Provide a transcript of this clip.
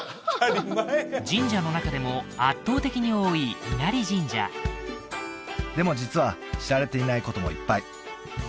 神社の中でも圧倒的に多い稲荷神社でも実は知られていないこともいっぱい